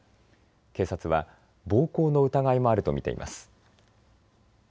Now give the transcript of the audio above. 警察は暴行の疑いもあると見ています。